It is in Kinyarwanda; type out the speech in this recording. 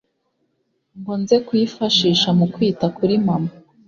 ngo nze kuyifashisha mu kwita kuri mama